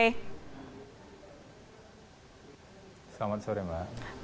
selamat sore mbak